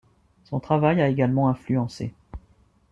Son travail a également influencé.